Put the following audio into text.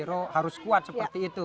harus kuat seperti itu